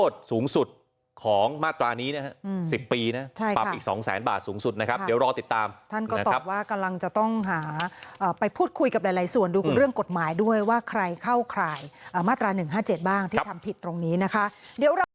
ส่วนท่านก็ตอบว่ากำลังจะต้องหาไปพูดคุยกับหลายส่วนดูเรื่องกฎหมายด้วยว่าใครเข้าข่ายมาตรา๑๕๗บ้างที่ทำผิดตรงนี้นะคะเดี๋ยวเรา